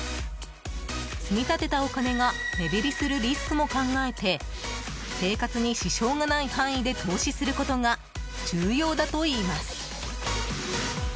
積み立てたお金が目減りするリスクも考えて生活に支障がない範囲で投資することが重要だといいます。